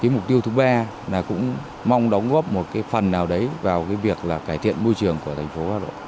mục tiêu thứ ba là cũng mong đóng góp một phần nào đấy vào việc cải thiện môi trường của thành phố hà nội